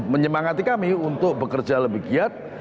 menyemangati kami untuk bekerja lebih giat